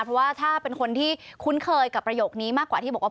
เพราะว่าถ้าเป็นคนที่คุ้นเคยกับประโยคนี้มากกว่าที่บอกว่า